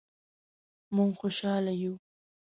مونږ خوشحاله یو